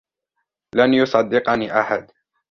لن يصدقني أحد